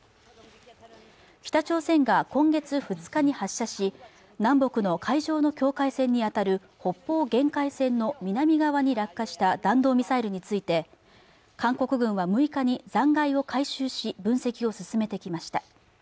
北朝鮮が今月２日に発射し南北の海上の境界線に当たる北方限界線の南側に落下した弾道ミサイルについて韓国軍は６日に残骸を回収し分析を進めてきました